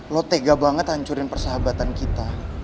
lo tega banget hancurin persahabatan kita